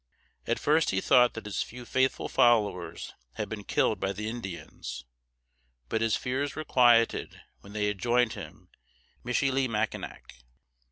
At first he thought that his few faithful followers had been killed by the Indians, but his fears were quieted when they joined him at Michilimackinac.